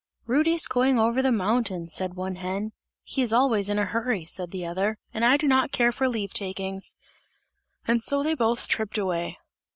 "Rudy is going over the mountain!" said one hen. "He is always in a hurry," said the other, "and I do not care for leave takings!" and so they both tripped away.